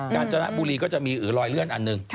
การจนบุรีก็จะมีรอยเลื่อนอันหนึ่ง